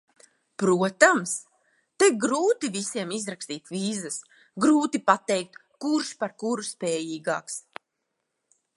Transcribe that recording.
Protams, te grūti visiem izrakstīt vīzas, grūti pateikt, kurš par kuru spējīgāks.